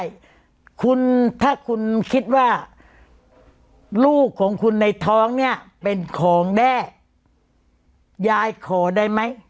ใช่คุณถ้าคุณคิดว่าลูกของคุณในท้องเนี่ยเป็นของแด้ยายขอได้ไหม